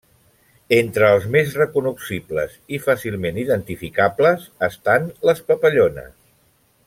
Entre els més recognoscibles i fàcilment identificables, estan les papallones.